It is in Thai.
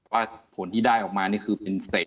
ว่าผลที่ได้ออกมาคือเป็นเสจ